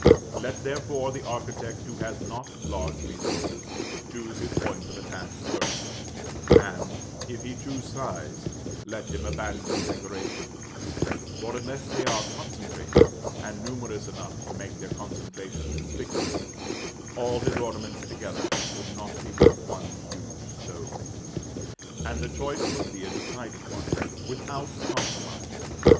Let, therefore, the architect who has not large resources, choose his point of attack first, and, if he choose size, let him abandon decoration; for, unless they are concentrated, and numerous enough to make their concentration conspicuous, all his ornaments together would not be worth one huge stone. And the choice must be a decided one, without compromise.